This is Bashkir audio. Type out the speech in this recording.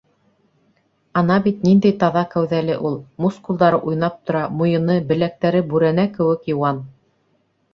Ана бит ниндәй таҙа кәүҙәле ул, мускулдары уйнап тора, муйыны, беләктәре бүрәнә кеүек йыуан.